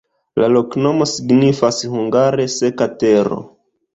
La loknomo signifas hungare: seka-tero.